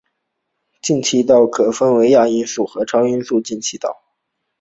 进气道可分为亚音速和超音速进气道。